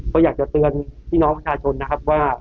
ก็อยากจะเตือนพี่น้องประชาชนนะครับว่า